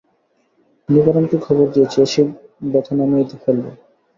নিবারণকে খবর দিয়েছি, এসেই ব্যথা নামিয়ে ফেলবে।